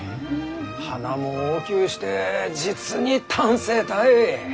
花も大きゅうして実に端正たい！